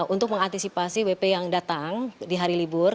untuk mengantisipasi wp yang datang di hari libur